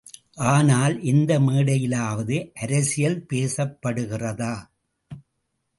ஆனால், எந்த மேடையிலாவது அரசியல் பேசப்படுகிறதா?